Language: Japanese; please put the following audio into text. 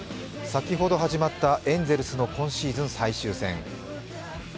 先ほど始まったエンゼルスの今シーズン最終戦。